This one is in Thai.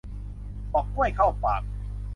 ปอกกล้วยเข้าปาก